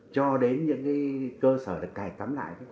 cho đến những cái cơ sở được cài cắm lại